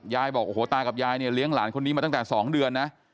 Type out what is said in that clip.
บอกโอ้โหตากับยายเนี่ยเลี้ยงหลานคนนี้มาตั้งแต่๒เดือนนะ